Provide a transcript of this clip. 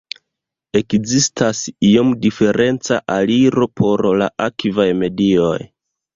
Ekzistas iom diferenca aliro por la akvaj medioj.